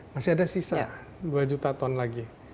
masih ada sisa dua juta ton lagi